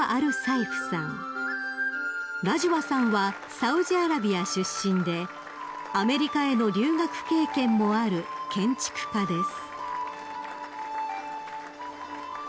［ラジワさんはサウジアラビア出身でアメリカへの留学経験もある建築家です］